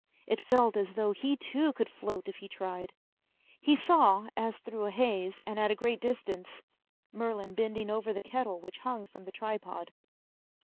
It felt as though he too could float if he tried. He saw, as through a haze and at a great distance, Merlin bending over the kettle which hung from the tripod.